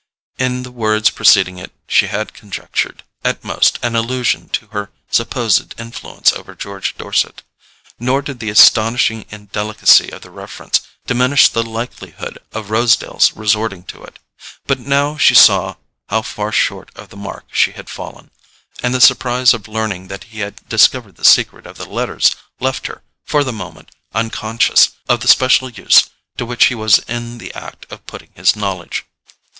In the words preceding it she had conjectured, at most, an allusion to her supposed influence over George Dorset; nor did the astonishing indelicacy of the reference diminish the likelihood of Rosedale's resorting to it. But now she saw how far short of the mark she had fallen; and the surprise of learning that he had discovered the secret of the letters left her, for the moment, unconscious of the special use to which he was in the act of putting his knowledge.